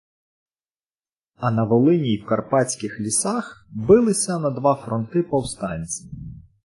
А на Волині й в карпатських лісах билися на два фронти повстанці.